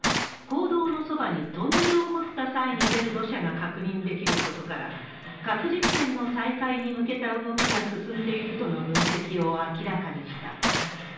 坑道のそばにトンネルを掘った際に出る土砂が確認できることから、核実験の再開に向けた動きが進んでいるとの分析を明らかにした。